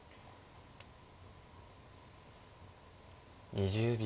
２０秒。